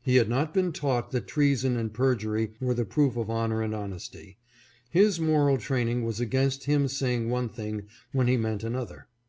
He had not been taught that treason and perjury were the proof of honor and honesty. His moral training was against his saying one thing when he meant another.